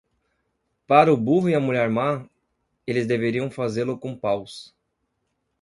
Para o burro e a mulher má, eles deveriam fazê-lo com paus.